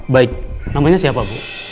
baik namanya siapa bu